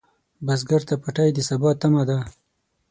بزګر ته پټی د سبا تمه ده